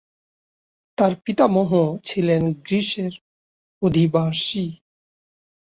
তার পিতামহ ছিলেন গ্রিসের অধিবাসী।